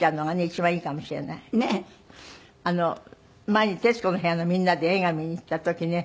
前に『徹子の部屋』のみんなで映画を見に行った時ね